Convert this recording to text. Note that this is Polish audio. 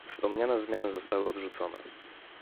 Wspomniane zmiany zostały odrzucone